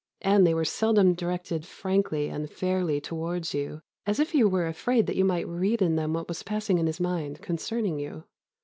And they were seldom directed frankly and fairly towards you, as if he were afraid that you might read in them what was passing in his mind concerning you.